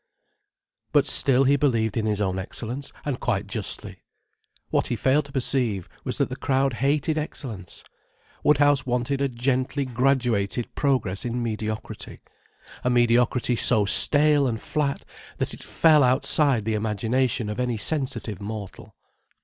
But still he believed in his own excellence: and quite justly. What he failed to perceive was that the crowd hated excellence. Woodhouse wanted a gently graduated progress in mediocrity, a mediocrity so stale and flat that it fell outside the imagination of any sensitive mortal.